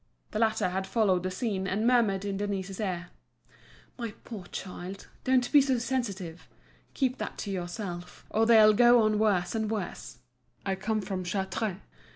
The latter had followed the scene, and murmured in Denise's ear: "My poor child, don't be so sensitive. Keep that to yourself, or they'll go on worse and worse. I come from Chartres.